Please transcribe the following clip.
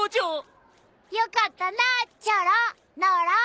よかったなチョロノロ。